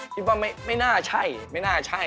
คิดว่าไม่น่าใช่นะครับ